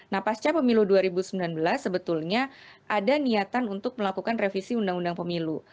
nah pasca pemilu dua ribu sembilan belas sebetulnya ada niatan untuk melakukan revisi undang undang pemilu